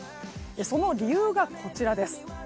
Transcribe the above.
その理由がこちらです。